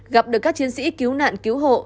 gặp được các chiến sĩ cứu nạn cứu hộ